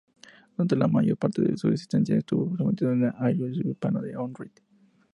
Durante la mayor parte de su existencia, estuvo sometido al arzobispado de Ohrid.